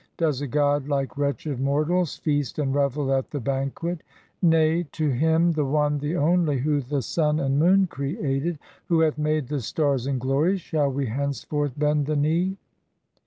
Does a god, like wretched mortals. Feast and revel at the banquet? Nay ! to Him, the one, the only. Who the sun and moon created, 329 PERSIA Who hath made the stars in glory, Shall we henceforth bend the knee!"